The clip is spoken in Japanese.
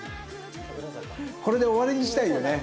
これで終わりにしたいよね。